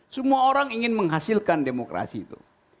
semua orang ingin menghasilkan demokrasi itu